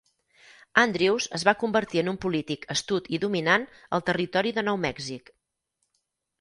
Andrews es va convertir en un polític astut i dominant al territori de Nou Mèxic.